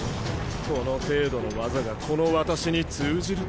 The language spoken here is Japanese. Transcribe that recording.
この程度の技がこの私に通じると？